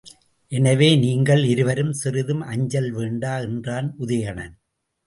எனவே நீங்கள் இருவரும் சிறிதும் அஞ்சல் வேண்டா என்றான் உதயணன்.